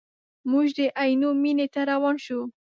موږ د عینو مینې ته روان شوو.